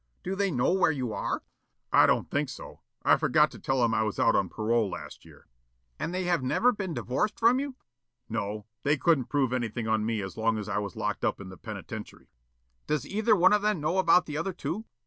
"Do they know where you are?" "I don't think so. I forgot to tell 'em I was out on parole last year." "And they have never been divorced from you?" "No. They couldn't prove anything on me as long as I was locked up in the penitentiary." "Does either one of them know about the other two?"